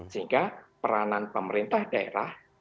sehingga peranan pemerintah daerah